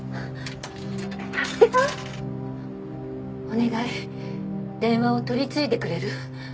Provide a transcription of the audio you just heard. お願い電話を取り次いでくれる？